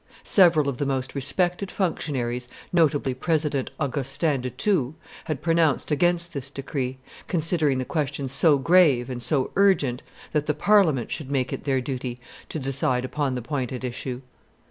Several of the most respected functionaries, notably President Augustin de Thou, had pronounced against this decree, considering the question so grave and so urgent that the Parliament should make it their duty to decide upon the point at issue.